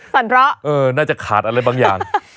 สั่นเพราะเออน่าจะขาดอะไรบางอย่าง